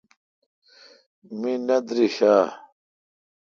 می نہ درݭ اؘ۔